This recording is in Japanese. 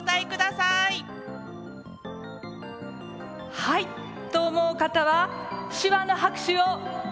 「はい」と思う方は手話の拍手をどうぞ。